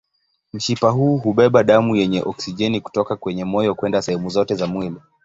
Mshipa huu hubeba damu yenye oksijeni kutoka kwenye moyo kwenda sehemu zote za mwili.